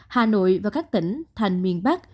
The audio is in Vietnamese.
hà nội và các tỉnh thành miền bắc